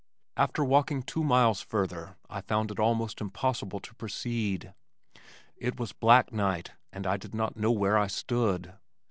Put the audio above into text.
After walking two miles further I found it almost impossible to proceed. It was black night and I did not know where I stood.